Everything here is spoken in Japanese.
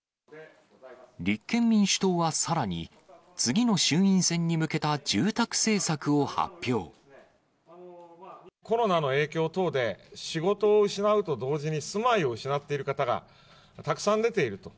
立憲民主党はさらに、次の衆コロナの影響等で、仕事を失うと同時に住まいを失っている方がたくさん出ていると。